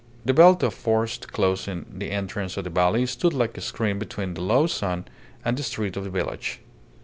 The belt of forest closing the entrance of the valley stood like a screen between the low sun and the street of the village.